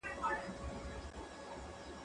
زه مخکي د کتابتون لپاره کار کړي وو؟!